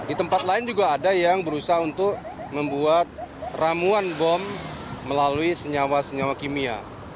di tempat lain juga ada yang berusaha untuk membuat ramuan bom melalui senyawa senyawa kimia